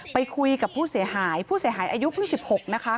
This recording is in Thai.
ไปคุยกับผู้เสียหายผู้เสียหายอายุเพิ่ง๑๖นะคะ